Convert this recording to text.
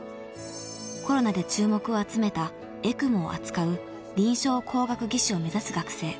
［コロナで注目を集めたＥＣＭＯを扱う臨床工学技士を目指す学生］